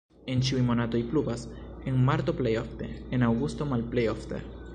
En ĉiuj monatoj pluvas, en marto plej ofte, en aŭgusto malplej ofte.